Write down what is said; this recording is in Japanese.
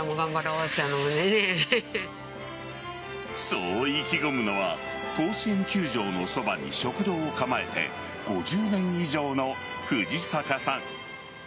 そう意気込むのは甲子園球場のそばに食堂を構えて５０年以上の藤坂さん。